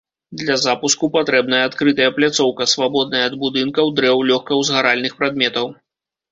Для запуску патрэбная адкрытая пляцоўка, свабодная ад будынкаў, дрэў, лёгкаўзгаральных прадметаў.